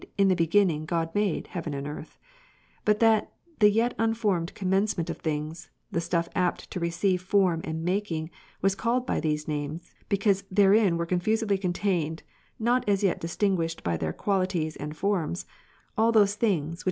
In the beginning God made heaven and earth, but that the yetunformed commencement of things, the stufFapt to receive form and making, was called by these names, be cause thei'ein were confusedly contained, not as yet distin guished by their qualities and forms, all those things which Truth to be seen in Scripture, but not the same by all.